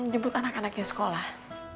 jebut anak anaknya sekolah